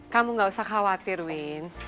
kamu nggak usah khawatir wind